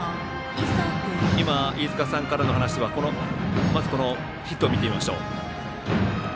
今、飯塚さんからの話はまず、このヒットを見てみましょう。